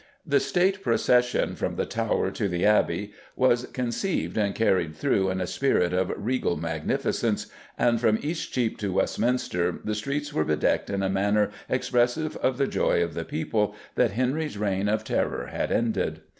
The State procession from the Tower to the Abbey was conceived and carried through in a spirit of regal magnificence, and from Eastcheap to Westminster the streets were bedecked in a manner expressive of the joy of the people that Henry's reign of terror had ended.